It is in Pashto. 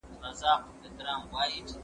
زه پرون انځور وليد!؟